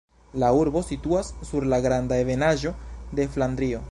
La urbo situas sur la granda ebenaĵo de Flandrio.